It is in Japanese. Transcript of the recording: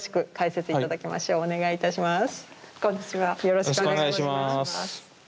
よろしくお願いします。